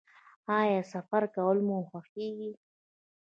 ایا سفر کول مو خوښیږي؟